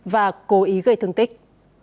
và cố ý gây thương tích